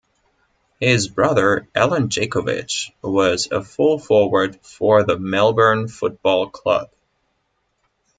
His brother Allen Jakovich was a full-forward for the Melbourne Football Club.